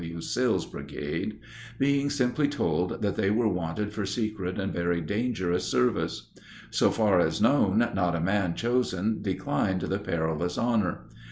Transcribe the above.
W. Sill's brigade, being simply told that they were wanted for secret and very dangerous service. So far as known, not a man chosen declined the perilous honor.